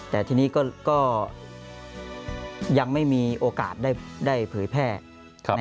แต่ทีนี้ก็ยังไม่มีโอกาสได้เผยแพร่